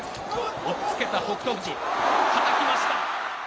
おっつけた、北勝富士、はたきました。